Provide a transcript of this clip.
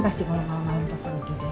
pasti kalo malem malem terseru gini